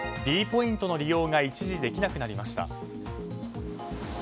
ｄポイントの利用が一時、できなくなりました。